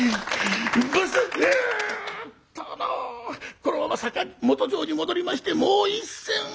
このまま坂本城に戻りましてもう一戦を」。